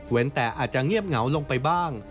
เว้นแต่อาจเยียบเหงาลงไปบ้าง